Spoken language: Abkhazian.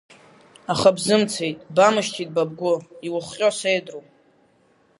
Аха бзымцеит, бамышьҭит ба бгәы, иухҟьо сеидру?!